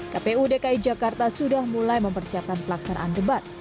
kpu dki jakarta sudah mulai mempersiapkan pelaksanaan debat